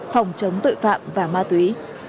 phòng chống tội phạm và ma túy